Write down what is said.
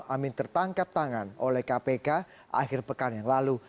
amin tertangkap tangan oleh kpk akhir pekan yang lalu